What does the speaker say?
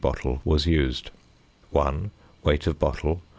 bottle was used: 1. Weight of bottle 39.